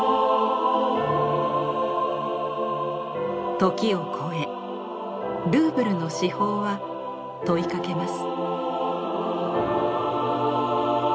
時を超えルーブルの至宝は問いかけます。